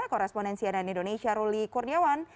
korespondensi ann indonesia ruli kurniawan